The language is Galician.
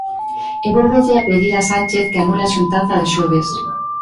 E vólvelle pedir a Sánchez que anule a xuntanza do xoves.